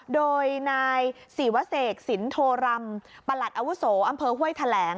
โดยนายศรีวเสกสินโทรัมประหลัดอาวุโสอำเภอห้วยแถลง